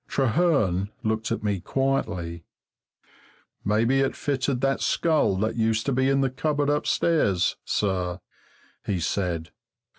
Trehearn looked at me quietly. "Maybe it fitted that skull that used to be in the cupboard upstairs, sir," he said.